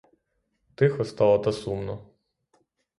Тихо стало та сумно.